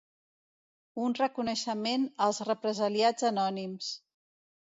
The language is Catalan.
Un reconeixement als represaliats anònims.